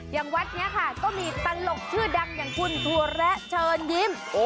วัดนี้ค่ะก็มีตลกชื่อดังอย่างคุณถั่วแระเชิญยิ้ม